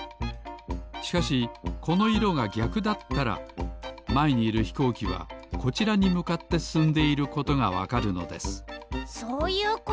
しかしこの色がぎゃくだったらまえにいるひこうきはこちらにむかってすすんでいることがわかるのですそういうことか。